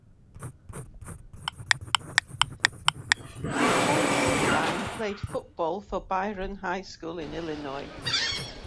Considine played football for Byron High School in Illinois.